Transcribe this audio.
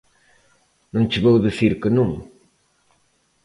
Non che vou dicir que non.